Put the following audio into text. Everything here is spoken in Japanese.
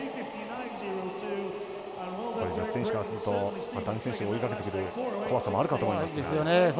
これ、女子選手からすると男子選手が追いかけてくる怖さもあるかと思いますが。